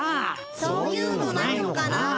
そういうのないのかなあ？